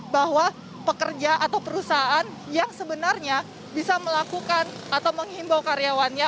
bahwa pekerja atau perusahaan yang sebenarnya bisa melakukan atau menghimbau karyawannya